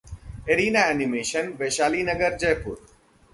arena Animation, Vaishali Nagar, Jaipur